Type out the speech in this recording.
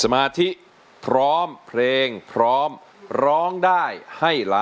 ไม่ใช่